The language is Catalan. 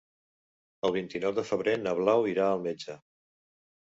El vint-i-nou de febrer na Blau irà al metge.